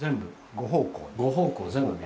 ５方向に。